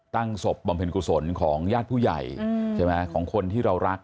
ตั้งศพบำเพ็ญกุศลของญาติผู้ใหญ่ของคนที่เรารัก